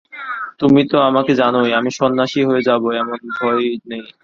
তুমি তো আমাকে জানই, আমি সন্ন্যাসী হয়ে যাব এমন ভয় নেই।